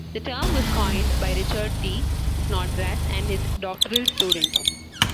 The term was coined by Richard T. Snodgrass and his doctoral student.